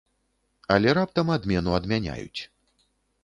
Але раптам адмену адмяняюць.